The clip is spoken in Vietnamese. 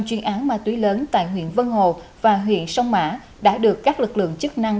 chuyên án ma túy lớn tại huyện vân hồ và huyện sông mã đã được các lực lượng chức năng